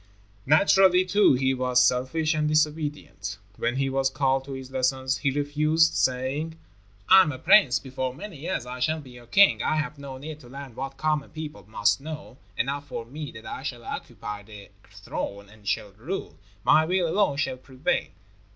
Naturally, too, he was selfish and disobedient. When he was called to his lessons, he refused, saying, "I am a prince. Before many years I shall be your king. I have no need to learn what common people must know. Enough for me that I shall occupy the throne and shall rule. My will alone shall prevail.